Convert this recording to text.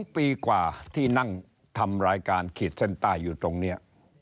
ปีกว่าที่นั่งทำรายการขีดเส้นใต้อยู่ตรงนี้